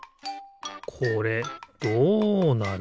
これどうなる？